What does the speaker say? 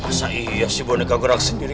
masa iya si boneka gerak sendiri